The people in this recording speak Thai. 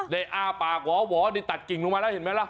อ้าปากหวอนี่ตัดกิ่งลงมาแล้วเห็นไหมล่ะ